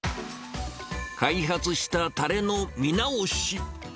開発したたれの見直し。